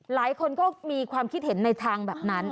หลายคนก็มีความคิดเห็นในทางแบบนั้น